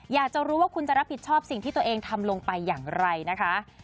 อยากจะรู้ว่าคุณจะรับผิดชอบสิ่งที่ตัวเองทำลงไปอย่างไรนะคะ